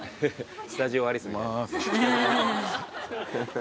スタジオアリスみたい。